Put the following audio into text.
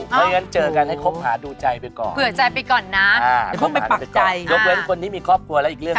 เผื่อใจไปก่อนนะ